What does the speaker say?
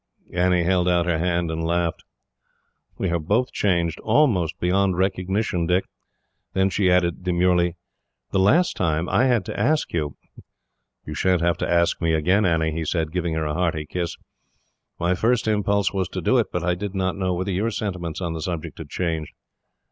Annie held out her hand, and laughed. "We are both changed almost beyond recognition, Dick." Then she added, demurely, "The last time, I had to ask you " "You sha'n't have to ask me again, Annie," he said, giving her a hearty kiss. "My first impulse was to do it, but I did not know whether your sentiments on the subject had changed."